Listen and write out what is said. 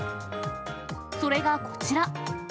それがこちら。